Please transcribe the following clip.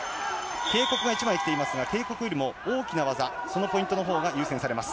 警告が１枚来ていますが、警告よりも大きな技、そのポイントのほそうです。